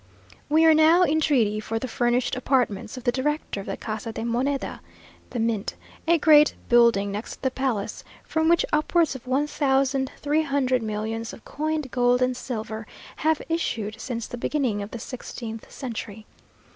We are now in treaty for the furnished apartments of the director of the Casa de Moneda (the mint), a great building next the palace, from which upwards of one thousand three hundred millions of coined gold and silver have issued since the beginning of the sixteenth century.